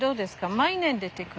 毎年出てくる？